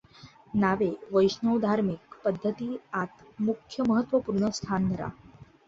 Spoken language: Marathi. नावे वैष्णव धार्मिक पद्धती आत मुख्य महत्त्वपुर्ण स्थान धरा.